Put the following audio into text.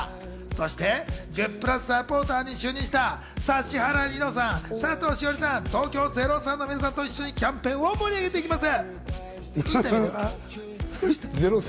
そしてグップラサポーターに就任した指原莉乃さん、佐藤栞里さん、東京０３の皆さんと一緒にキャンペーンを盛り上げていきます。